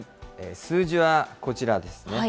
数字はこちらですね。